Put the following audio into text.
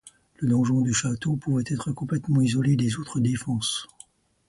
Le donjon du château pouvait être complètement isolé des autres défenses.